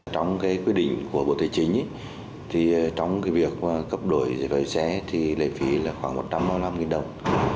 trong quy định của bộ tư chính trong việc cấp đổi giấy phép lái xe lợi phí khoảng một trăm năm mươi năm đồng